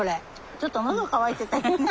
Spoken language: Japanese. ちょっと喉渇いてたんやね。